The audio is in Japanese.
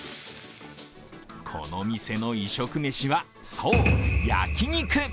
この店の異色メシは、そう焼き肉！